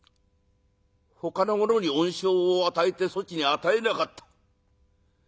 ほかの者に恩賞を与えてそちに与えなかった。